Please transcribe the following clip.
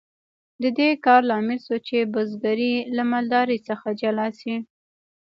د دې کار لامل شو چې بزګري له مالدارۍ څخه جلا شي.